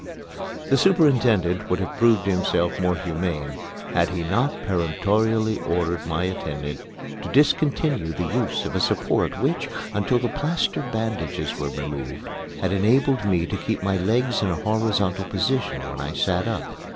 The superintendent would have proved himself more humane had he not peremptorily ordered my attendant to discontinue the use of a support which, until the plaster bandages were removed, had enabled me to keep my legs in a horizontal position when I sat up.